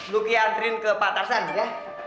lu kiantrin ke pak tarzan ya